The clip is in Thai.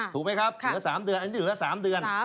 ถูกไหมครับเหลือ๓เดือนอันนี้เหลือ๓เดือน